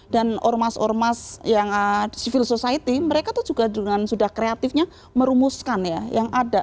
dan ormas ormas yang civil society mereka tuh juga dengan sudah kreatifnya merumuskan ya yang ada